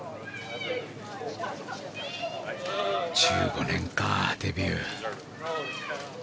１５年か、デビュー。